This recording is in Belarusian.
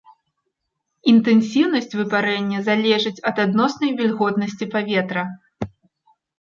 Інтэнсіўнасць выпарэння залежыць ад адноснай вільготнасці паветра.